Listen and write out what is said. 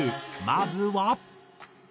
まずは。